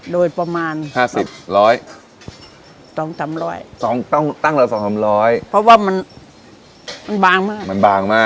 โดยประมาณ๕๐๑๐๐